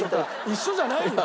一緒じゃないよ！